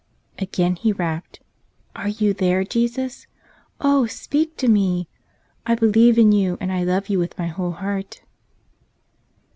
Again he rapped. "Are You there, Jesus? Oh, speak to me! I believe in You and I love You with my whole heart!"